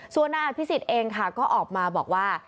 ส่วนหน้าพี่สิทธิ์เองค่ะก็ออกมาบอกว่า